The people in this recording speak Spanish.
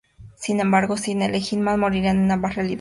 Sin embargo, si eligen mal, morirán en ambas realidades.